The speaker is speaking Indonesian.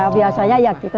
biasanya ya gitu